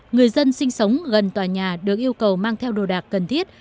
người dân sinh sống gần tòa nhà được yêu cầu mang theo đồ đạc cần thiết